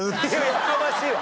やかましいわ。